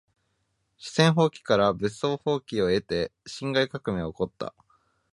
四川蜂起から武昌蜂起を経て辛亥革命は起こった。